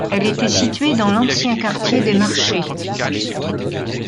Elle était située dans l'ancien, quartier des Marchés.